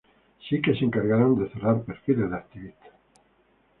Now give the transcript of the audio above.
sí que se encargaron de cerrar perfiles de activistas